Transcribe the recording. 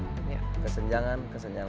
kesenjangan kesenjangan kesenjangan